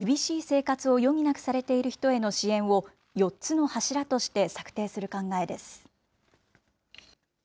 それに厳しい生活を余儀なくされている人への支援を、４つの柱として策定する考えです。